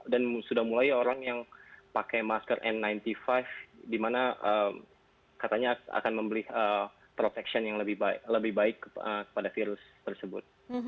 dan sudah mulai orang yang pakai masker n sembilan puluh lima di mana katanya akan membeli proteksi yang lebih baik kepada virus tersebut